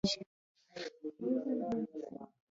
هو کله چې کاغذ وسوځي نو بیرته په کاغذ نه بدلیږي